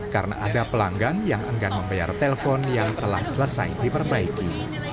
karena ada pelanggan yang enggan membayar telpon yang telah selesai diperbaiki